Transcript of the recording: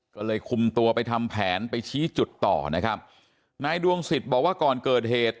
ก็เลยคุมตัวไปทำแผนไปชี้จุดต่อนะครับนายดวงสิทธิ์บอกว่าก่อนเกิดเหตุ